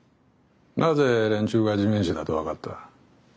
なぜ連中が地面師だと分かった？